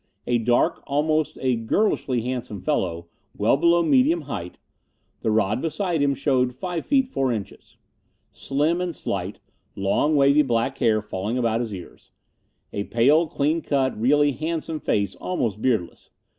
A dark, almost a girlishly handsome fellow, well below medium height the rod beside him showed five feet four inches. Slim and slight. Long, wavy black hair, falling about his ears. A pale, clean cut, really handsome face, almost beardless.